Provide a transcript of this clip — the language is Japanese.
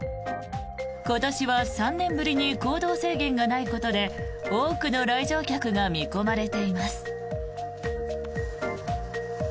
今年は３年ぶりに行動制限がないことで多くの来場客が見込まれています。